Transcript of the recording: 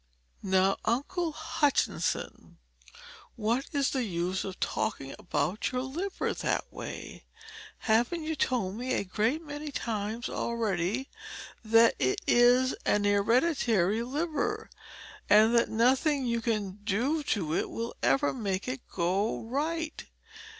"Now, Uncle Hutchinson, what is the use of talking about your liver that way? Haven't you told me a great many times already that it is an hereditary liver, and that nothing you can do to it ever will make it go right?